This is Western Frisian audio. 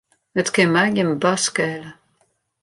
It kin my gjin barst skele.